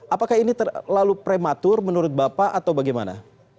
apakah ini terlalu prematur menurut bapak atau bagaimana